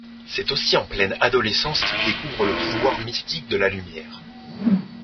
C'est aussi en pleine adolescence qu'il découvre le pouvoir mystique de la lumière.